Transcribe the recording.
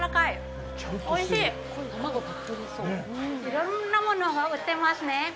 いろんなものが売ってますね。